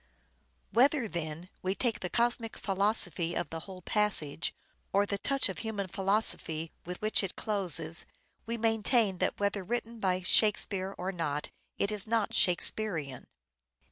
Whether, then, we take the cosmic philosophy of the whole passage, or the touch of human philosophy with which it closes, we maintain that whether written by " Shakespeare " or not, it is not Shakespearean.